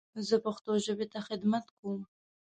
زه پښتو ژبې ته خدمت کوم.